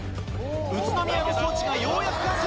宇都宮の装置がようやく完成！